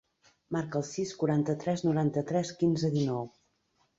Marca el sis, quaranta-tres, noranta-tres, quinze, dinou.